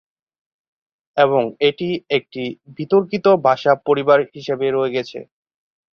এবং এটি একটি বিতর্কিত ভাষা পরিবার হিসাবে রয়ে গেছে।